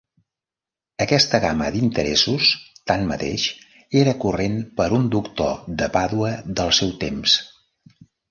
Aquesta gamma d'interessos, tanmateix, era corrent per un doctor de Pàdua del seu temps.